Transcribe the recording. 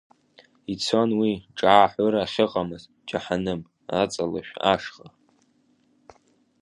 Ицон уи ҿааҳәыра ахьыҟамыз џьаҳаным аҵалашә ашҟа.